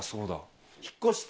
引っ越して。